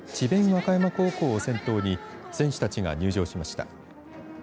和歌山高校を先頭に選手たちが入場しました。